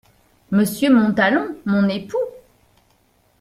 Monsieur Montalon ! mon époux !